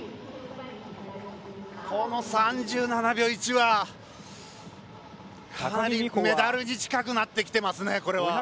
この３７秒１はかなりメダルに近くなってきてますね。